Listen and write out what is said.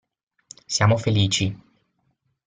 Siamo felici.